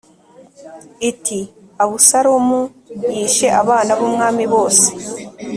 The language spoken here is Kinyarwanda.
iti “Abusalomu yishe abana b’umwami bose